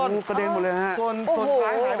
โอ้โฮกระเด็นหมดเลยค่ะ